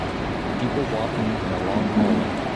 People walking in a long hallway